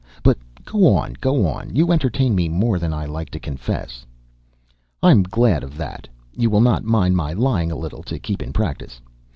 But go on, go on. You entertain me more than I like to confess." I am glad of that. (You will not mind my lying a little, to keep in practice.)